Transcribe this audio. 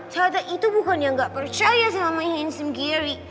cata itu bukannya nggak percaya sama ihin sendiri